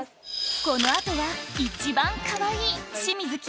この後は一番かわいい清水希